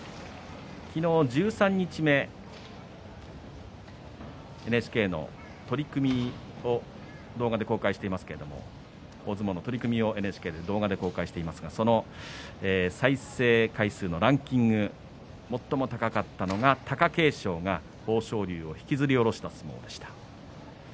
昨日、十三日目ＮＨＫの取組を動画で公開していますけれども大相撲の取組をＮＨＫで動画で公開していますけれどもその再生回数のランキング最も高かったのが貴景勝が豊昇龍を引きずり下ろした相撲でした。